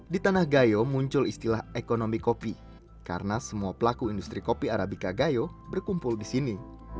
di tanah gayo muncul istilah ekonomi kopi karena semua pelaku industri kopi arabica gayo berkumpul di sini